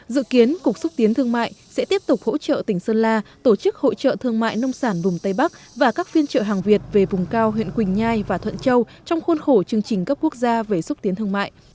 dự kiến cục xúc tiến thương mại sẽ tiếp tục hỗ trợ tỉnh sơn la tổ chức hội trợ thương mại nông sản vùng tây bắc và các phiên trợ hàng việt về vùng cao huyện quỳnh nhai và thuận châu trong khuôn khổ chương trình cấp quốc gia về xúc tiến thương mại